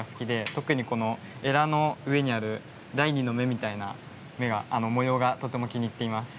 特に、このエラの上にある第２の目みたいな模様がとても気に入っています。